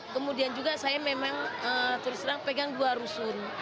kemudian juga saya memang terus terang pegang dua rusun